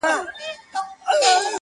ددې خاوري هزاره ترکمن زما دی!